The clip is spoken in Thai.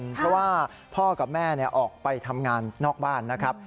เพราะว่าพ่อกับแม่ออกไปทำงานนอกบ้านนะครับ